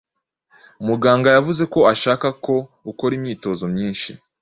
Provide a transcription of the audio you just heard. Muganga yavuze ko ashaka ko ukora imyitozo myinshi.